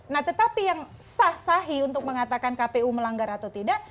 nah tetapi yang sah sahi untuk mengatakan kpu melanggar atau tidak